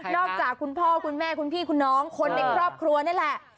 จากคุณพ่อคุณแม่คุณพี่คุณน้องคนในครอบครัวนี่แหละ